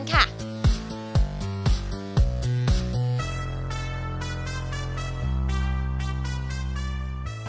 ทุกคนพาไปแล้วกันค่ะ